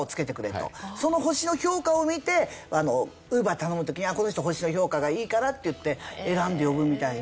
その星の評価を見てＵｂｅｒ頼む時にあっこの人星の評価がいいからっていって選んで呼ぶみたいな。